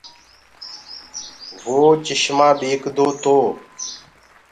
وو چشمآ ٻيڪدو تو۔